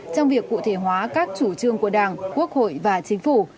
trong việc cụ thể hóa các chủ trương của đảng quốc hội và chính phủ